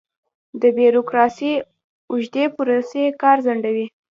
د بیروکراسۍ اوږدې پروسې کار ځنډوي.